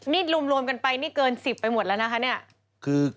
นี่รวมกันไปนี่เกิน๑๐ไปหมดแล้วนะคะเนี่ย